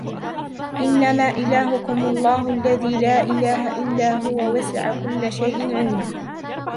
إنما إلهكم الله الذي لا إله إلا هو وسع كل شيء علما